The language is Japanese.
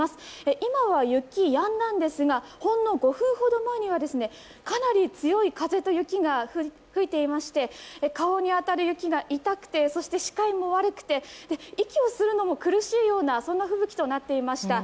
今は雪がやんだんですがほんの５分ほど前にはかなり強い風と雪が吹いていまして、顔に当たる雪が痛くて、視界も悪くて息をするのも苦しいような吹雪となっていました。